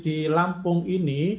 di lampung ini